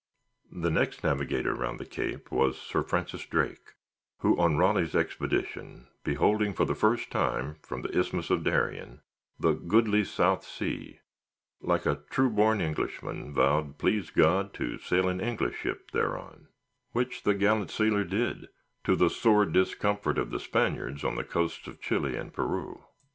The next navigator round the Cape was Sir Francis Drake, who, on Raleigh's Expedition, beholding for the first time, from the Isthmus of Darien, the "goodly South Sea," like a true born Englishman, vowed, please God, to sail an English ship thereon; which the gallant sailor did, to the sore discomfort of the Spaniards on the coasts of Chile and Peru.